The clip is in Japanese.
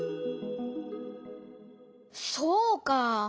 そうかあ！